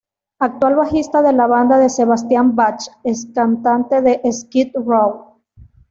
Actual bajista de la banda de Sebastian Bach, ex cantante de Skid Row.